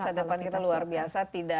masa depan kita luar biasa tidak